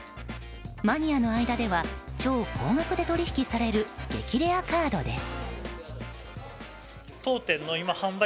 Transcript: マニアの間では超高額で取引される激レアカードです。